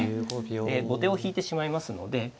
後手を引いてしまいますので。